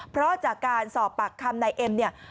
เพราะจากการสอบปากคำนายเอ็มเนี่ย